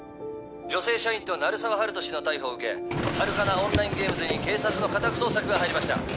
女性社員と鳴沢温人氏の逮捕を受けハルカナ・オンライン・ゲームズに警察の家宅捜索が入りました